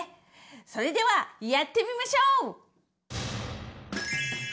それではやってみましょう！